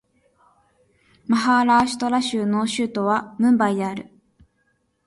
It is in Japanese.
マハーラーシュトラ州の州都はムンバイである